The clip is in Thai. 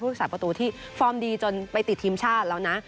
รักษาประตูที่ฟอร์มดีจนไปติดทีมชาติแล้วนะ